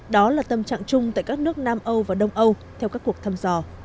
đó là tâm trạng chung tại các nước nam âu và đông âu theo các cuộc thăm dò